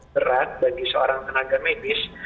berat bagi seorang tenaga medis